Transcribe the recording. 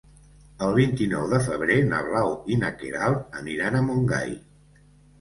El vint-i-nou de febrer na Blau i na Queralt aniran a Montgai.